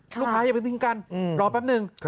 ลูกค้าอย่าเพิ่งทิ้งกันรอแป๊บหนึ่ง